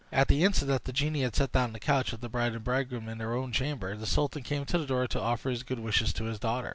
At the instant that the genie had set down the couch with the bride and bridegroom in their own chamber, the sultan came to the door to offer his good wishes to his daughter.